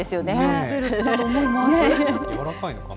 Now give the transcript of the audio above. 食べると思います。